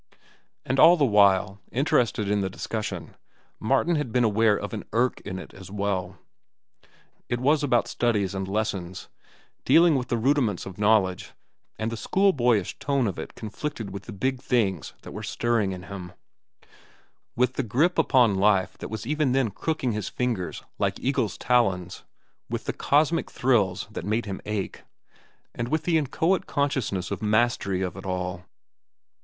And all the while, interested in the discussion, Martin had been aware of an irk in it as well. It was about studies and lessons, dealing with the rudiments of knowledge, and the schoolboyish tone of it conflicted with the big things that were stirring in him—with the grip upon life that was even then crooking his fingers like eagle's talons, with the cosmic thrills that made him ache, and with the inchoate consciousness of mastery of it all.